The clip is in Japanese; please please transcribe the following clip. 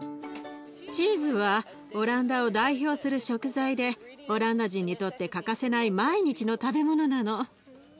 チーズはオランダを代表する食材でオランダ人にとって欠かせない毎日の食べ物なの。